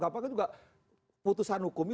apapun juga putusan hukum itu